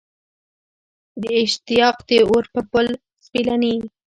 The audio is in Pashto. د اشتیاق د اور په پل سپېلني